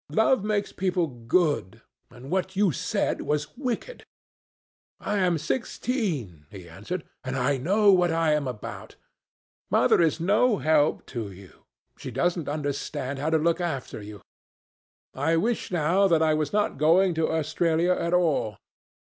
Love makes people good, and what you said was wicked." "I am sixteen," he answered, "and I know what I am about. Mother is no help to you. She doesn't understand how to look after you. I wish now that I was not going to Australia at all.